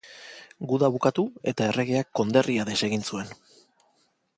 Guda bukatu eta erregeak konderria desegin zuen.